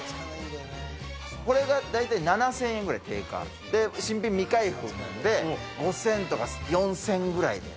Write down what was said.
これが大体７０００円ぐらい、定価、新品、未開封なんで、５０００とか４０００ぐらいで。